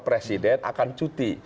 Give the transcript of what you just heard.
presiden akan cuti